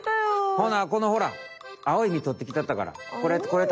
ほなこのほらあおい実とってきたったからこれ食べ。